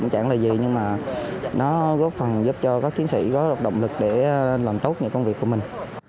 chẳng là gì nhưng mà nó góp phần giúp cho các chiến sĩ có động lực để làm tốt những công việc của mình